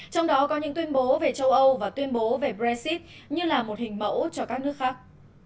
trong đó có những tuyên bố về châu âu và tuyên bố về brexit như là một hình mẫu cho các nước khác